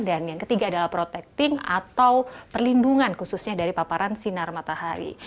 dan yang ketiga adalah protecting atau perlindungan khususnya dari paparan sinar matahari